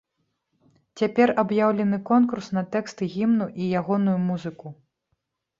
Цяпер аб'яўлены конкурс на тэкст гімну і ягоную музыку.